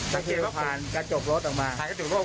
๓โมงกว่าหรือ๔โมงเนี่ยครับ